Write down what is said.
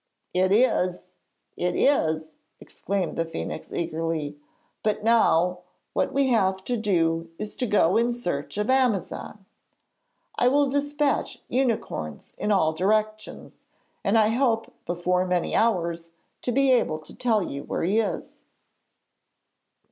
'It is! It is!' exclaimed the phoenix eagerly. 'But now what we have to do is to go in search of Amazan. I will despatch unicorns in all directions, and I hope before many hours to be able to tell you where he is.'